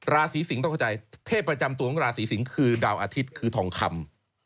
ราศีสิงศ์ต้องเข้าใจเทพประจำตัวของราศีสิงศ์คือดาวอาทิตย์คือทองคำ